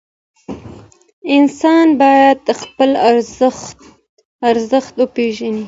انسان باید خپل ارزښت وپېژني.